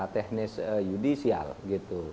teknis yudisial gitu